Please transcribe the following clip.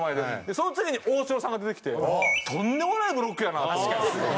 その次に大城さんが出てきてとんでもないブロックやなと思ったんですよ。